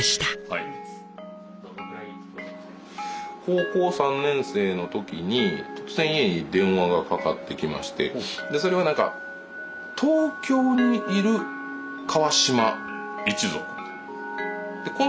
高校３年生の時に突然家に電話がかかってきましてそれはなんか東京にいる川島一族みたいな。